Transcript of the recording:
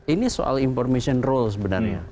ini soal information role sebenarnya